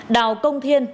đào công thiên